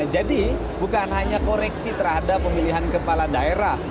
jadi bukan hanya koreksi terhadap pemilihan kepala daerah